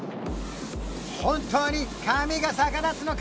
本当に髪が逆立つのか？